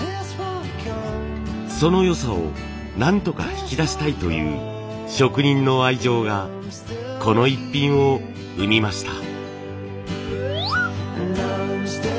その良さをなんとか引き出したいという職人の愛情がこのイッピンを生みました。